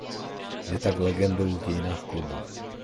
Je tak legendou v dějinách klubu.